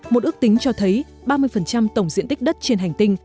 một ước tính cho thấy ba mươi tổng diện tích đất trên hành tinh